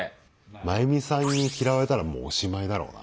まゆみさんに嫌われたらもうおしまいだろうな。